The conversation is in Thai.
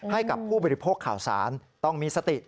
ให้กับผู้บริโภคข่าวสารต้องมีสติ